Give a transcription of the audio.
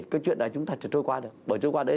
cái chuyện này chúng ta trôi qua được bởi trôi qua đây